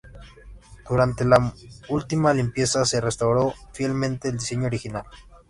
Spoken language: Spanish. Durante la última limpieza se restauró fielmente el diseño original.